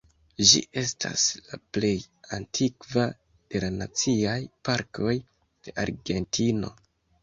Ĝi estas la plej antikva de la Naciaj Parkoj de Argentino.